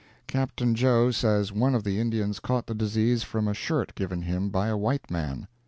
Capt. Jo says one of the Indians caught the disease from a shirt given him by a white man.